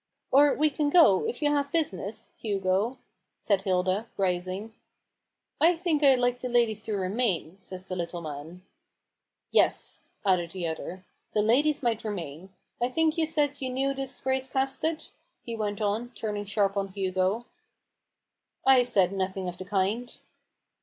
" Or we can go, it you have business, Hugo," said Hilda, rising. " I think I like the ladies to remain," says the little man. " Yes !" added the other ; "the ladies might remain. I think you said you knew this Grace Casket ?" he went on, turning sharp on Hugo. " I said nothing of the kind."